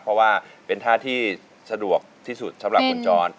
เพราะว่าเป็นท่าที่สะดวกที่สุดสำหรับคุณจร